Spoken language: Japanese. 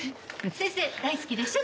先生大好きでしょ？